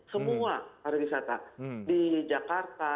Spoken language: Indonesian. semua pariwisata di jakarta